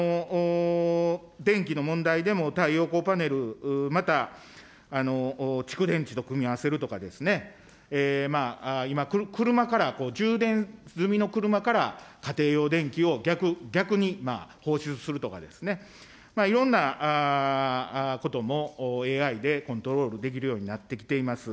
電気の問題でも太陽光パネル、また、蓄電池と組み合わせるとかですね、今、車から充電済みの車から家庭用電気を逆に放出するとかですね、いろんなこともＡＩでコントロールできるようになってきています。